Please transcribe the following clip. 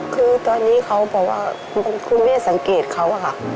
คือตอนนี้เขาบอกว่าคุณแม่สังเกตเขาอะค่ะ